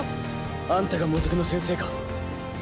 アンタがモズクの先生か？